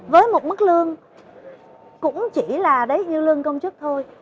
với một mức lương cũng chỉ là đấy như lương công chức thôi